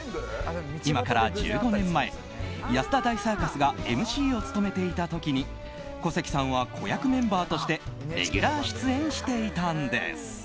今から１５年前安田大サーカスがＭＣを務めていた時に小関さんは子役メンバーとしてレギュラー出演していたんです。